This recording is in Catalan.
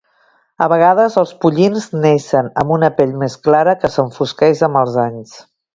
A vegades els pollins neixen amb una pell més clara que s'enfosqueix amb els anys.